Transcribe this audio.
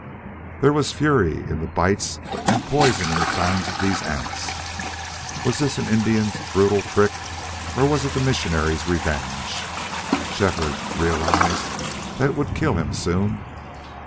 There was fury in the bites and poison in the fangs of these ants. Was this an Indian's brutal trick or was it the missionary's revenge? Shefford realized that it would kill him soon.